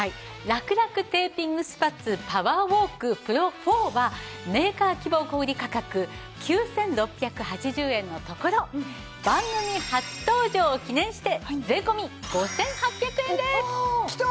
らくらくテーピングスパッツパワーウォークＰＲＯⅣはメーカー希望小売価格９６８０円のところ番組初登場を記念して税込５８００円です！きた！